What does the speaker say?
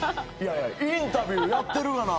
いやインタビューやってるがな！